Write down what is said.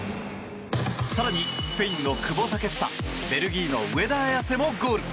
更に、スペインの久保建英ベルギーの上田綺世もゴール。